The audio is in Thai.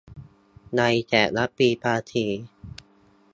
ในแต่ละปีภาษี